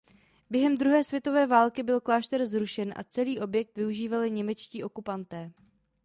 Během druhé světové války byl klášter zrušen a celý objekt využívali němečtí okupanté.